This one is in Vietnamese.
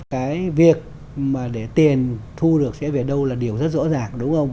cái việc mà để tiền thu được sẽ về đâu là điều rất rõ ràng đúng không